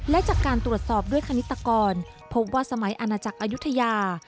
และจากการตรวจสอบด้วยคณิตกรพบว่าสมัยอาณาจักรอายุทยา